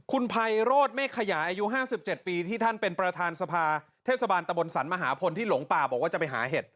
คุณภัยโรธเมฆขยายอายุ๕๗ปีที่ท่านเป็นประธานสภาเทศบาลตะบนสรรมหาพลที่หลงป่าบอกว่าจะไปหาเห็ด